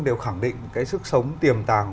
đều khẳng định cái sức sống tiềm tàng